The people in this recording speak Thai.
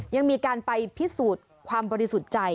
ยังมีการไปพิสูจน์ความบริสุทธิ์ใจ